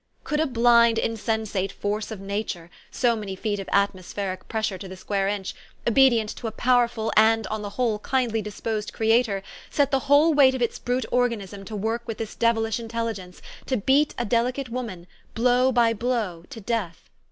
Could a blind, insen sate force of Nature, so many feet of atmospheric pressure to the square inch, obedient to a powerful, and, on the whole, kindly disposed Creator, set the whole weight of its brute organism to work with this devilish intelligence, to beat a delicate woman, blow by blow, to death